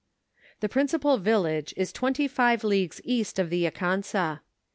The principal vUlage is twenty five leagues east of the Akansa.